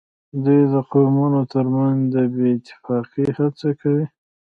دوی د قومونو ترمنځ د بې اتفاقۍ هڅه کوي